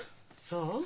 そう。